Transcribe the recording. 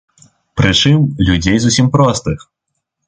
Прычым, людзей зусім простых.